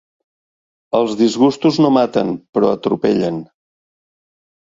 Els disgustos no maten, però atropellen.